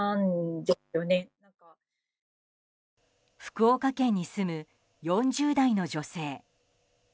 福岡県に住む４０代の女性。